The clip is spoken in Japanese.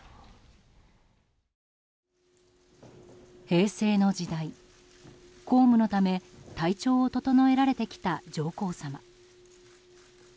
平成の時代、公務のため体調を整えられてきた上皇さま。